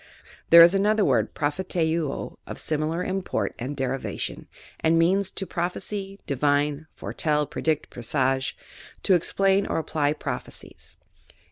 There is another word, propheteuo, of similar import and derivation, and means, to prophesy, divine, foretell, predict, presage ; to explain or apply prophecies.